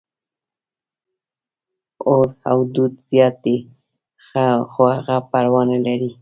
اور او دود زیات دي، خو هغه پروا نه لري.